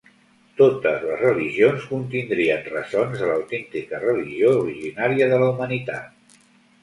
Totes les religions contindrien ressons de l'autèntica religió originària de la humanitat.